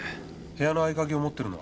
部屋の合鍵を持ってるのは？